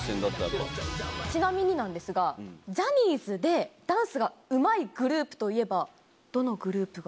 ちなみになんですが、ジャニーズでダンスがうまいグループといえば、どのグループが？